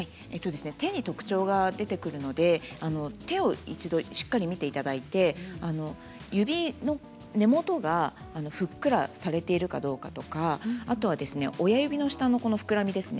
手に特徴が出てくるので手を一度しっかり見ていただいて指の根元がふっくらされているかどうかとかあとは親指の下の膨らみですね。